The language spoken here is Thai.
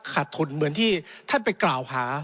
ขาดทุนเหมือนที่ท่านไปกล่าวหา